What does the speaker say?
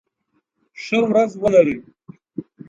ښه ورځ ولرئ.